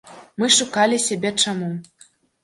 Мы шукалі сябе чаму.